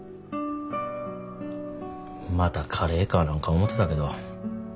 またカレーかなんか思てたけど